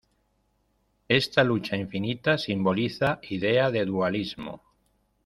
Esta lucha infinita simboliza idea de dualismo.